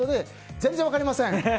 全然分かりません。